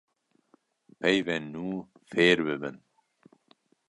peyvên nû fêr bibin